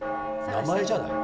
名前じゃない？